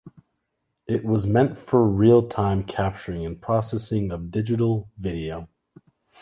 It was meant for real time capturing and processing of digital video.